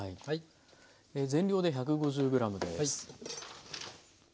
全量で１５０ｇです。